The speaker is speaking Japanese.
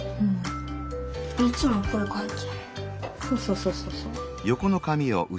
そうそうそうそうそう。